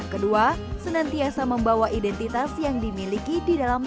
kedua senantiasa membawa identitas yang dimiliki di dalam